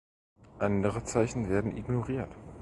Andere Zeichen werden ignoriert.